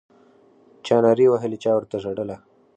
چا نارې وهلې چا ورته ژړله